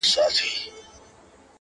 دغه د اور ځنځير ناځوانه ځنځير ـ